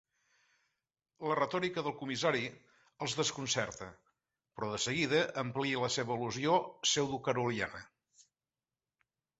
La retòrica del comissari els desconcerta, però de seguida amplia la seva al·lusió pseudocarrolliana.